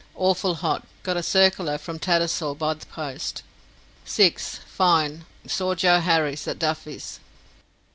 Awful hot got a serkeler from Tatersal by the poast. 6th. Fine. Saw Joe Harris at Duffys."